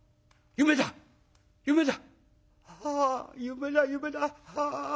夢だ夢だ。